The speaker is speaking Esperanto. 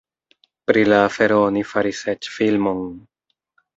Pri la afero oni faris eĉ filmon.